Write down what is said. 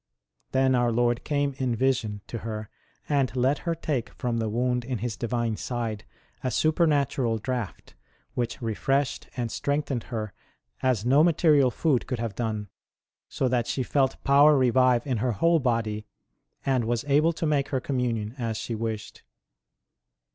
Then our Lord came in vision to her, and let her take from the wound in His Divine side a super natural draught, which refreshed and strengthened her as no material food could have done, so that she felt power revive in her whole body, and was able to make her communion as she wished.